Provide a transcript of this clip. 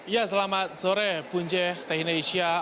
ya selamat sore punje tech in asia